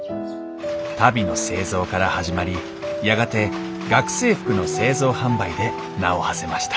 足袋の製造から始まりやがて学生服の製造販売で名をはせました